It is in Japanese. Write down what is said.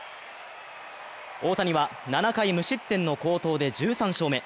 大谷は７回無失点の好投で１３勝目。